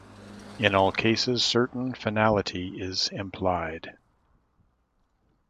In all cases, certain finality is implied.